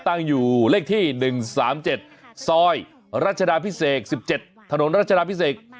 ตั้งอยู่เลขที่๑๓๗ซอยรัชดาพิเศษ๑๗ถนนรัชดาพิเศษ